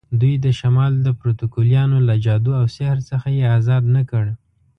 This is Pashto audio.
دوی د شمال د پروتوکولیانو له جادو او سحر څخه یې آزاد نه کړ.